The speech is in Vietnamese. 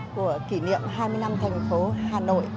của kỷ niệm hai mươi năm thành phố hà nội